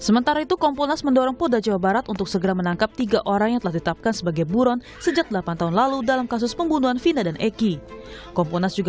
menurut kuasa hukum salah satu kejanggalan yang mencolok adalah pada fakta hasil visum di rumah sakit gunung jawa